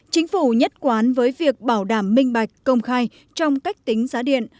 chính phủ nhất quán với việc bảo đảm minh bạch công khai trong cách tính giá điện